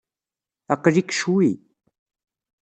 Aql-ik ccwi.